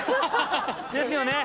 ですよね。